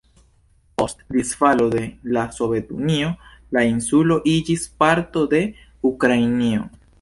Post disfalo de la Sovetunio, la insulo iĝis parto de Ukrainio.